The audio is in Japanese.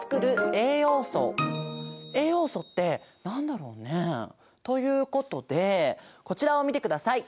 栄養素って何だろうね？ということでこちらを見てください。